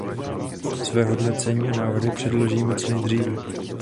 Své hodnocení a návrhy předložíme co nejdříve.